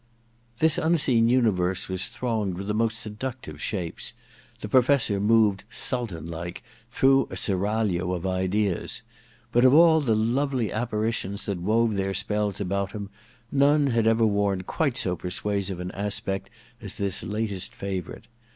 This unseen universe was thronged with the most seductive shapes : the Professor moved Sultan like through a seraglio of ideas. But of 6 THE DESCENT OF MAN i all the lovely apparitions that wove their spells about him, none had ever worn quite so per suasive an aspect as this latest favourite.